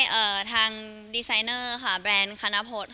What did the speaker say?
อื้มค่ะก็เราได้ทางดีไซเนอร์ค่ะแบรนด์คานาโพส